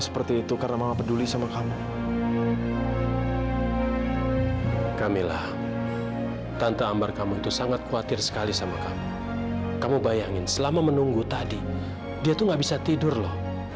papi mau tidur dulu